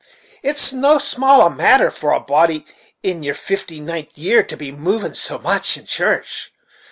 It's no small a matter for a body in their fifty nint' year to be moving so much in church.